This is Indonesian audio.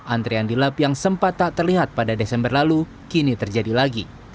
antrian di lap yang sempat tak terlihat pada desember lalu kini terjadi lagi